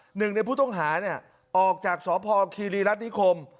หนึ่งในผู้ต้องหาออกจากสพคีรีรัฐนิคม